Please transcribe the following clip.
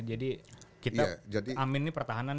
jadi kita amin nih pertahanan